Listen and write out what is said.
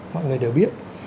mọi người đều biết